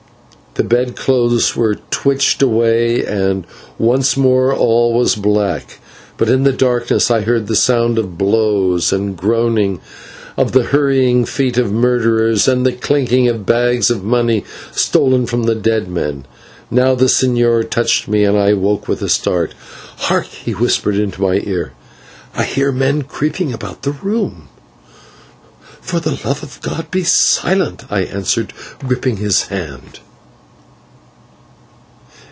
The bed clothes were twitched away and once more all was black, but in the darkness I heard a sound of blows and groaning, of the hurrying feet of murderers, and the clinking of bags of money stolen from the dead men. Now the señor touched me and I woke with a start. "Hark," he whispered into my ear, "I hear men creeping about the room." "For the love of God, be silent," I answered, gripping his hand.